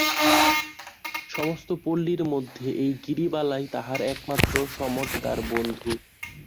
সমস্ত পল্লীর মধ্যে এই গিরিবালাই তাহার একমাত্র সমজদার বন্ধু।